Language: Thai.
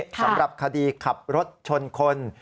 สำหรับคดีขับรถชนคน